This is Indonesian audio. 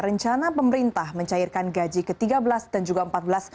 rencana pemerintah mencairkan gaji ke tiga belas dan juga ke empat belas